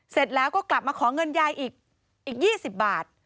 เสร็จแล้วก็กลับมาขอเงินยายอีก๒๐บาท